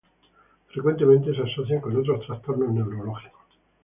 Frecuentemente se asocian con otros trastornos neurológicos.